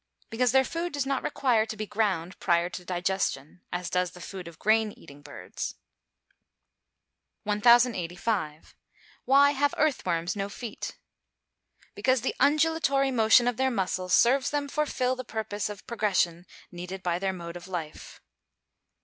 _ Because their food does not require to be ground prior to digestion, as does the food of grain eating birds. 1085. Why have earth worms no feet? Because the undulatory motion of their muscles serves them for fill the purposes of progression needed by their mode of life.